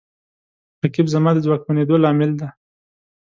رقیب زما د ځواکمنېدو لامل دی